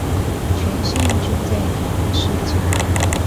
全線均在台南市境內